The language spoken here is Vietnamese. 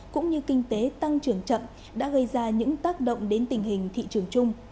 cũng như kinh tế tăng trưởng chậm đã gây ra những tác động đến tình hình thị trường chung